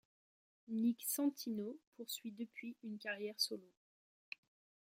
Nick Santino poursuit depuis une carrière solo.